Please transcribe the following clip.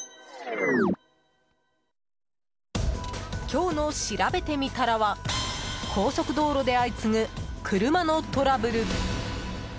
今日のしらべてみたらは高速道路で相次ぐ車のトラブル。